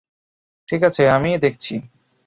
ঠিক আছে, আমিই দেখছি।